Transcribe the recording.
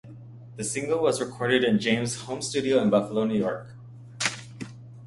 The single was recorded at James' home studio in Buffalo, New York.